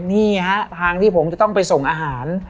นี่ฮะทางที่ผมจะต้องไปส่งอาหาร